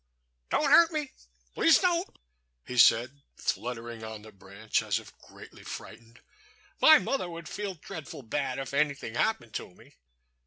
"Don't hurt me please don't!" he said, fluttering on the branch as if greatly frightened. "My mother would feel dreadful bad if anything happened to me."